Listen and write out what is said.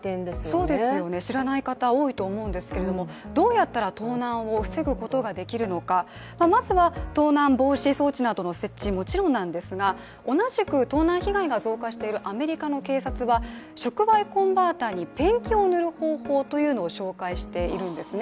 そうですよね、知らない方多いかと思うんですけれどもどうやったら盗難を防ぐことができるのかまずは盗難防止装置の設置はもちろんですが同じく盗難被害が増加しているアメリカの警察は触媒コンバーターにペンキを塗る方法というのを紹介しているんですね。